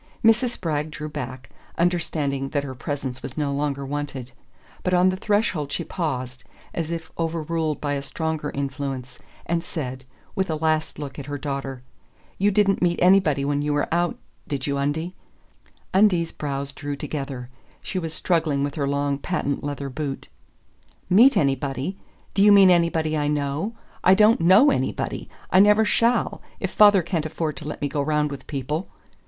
Mrs. Spragg drew back, understanding that her presence was no longer wanted. But on the threshold she paused, as if overruled by a stronger influence, and said, with a last look at her daughter: "You didn't meet anybody when you were out, did you, Undie?" Undine's brows drew together: she was struggling with her long patent leather boot. "Meet anybody? Do you mean anybody I know? I don't KNOW anybody I never shall, if father can't afford to let me go round with people!"